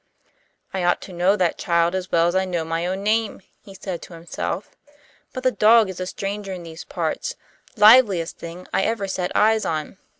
"I ought to know that child as well as I know my own name," he said to himself. "But the dog is a stranger in these parts. Liveliest thing I ever set eyes on!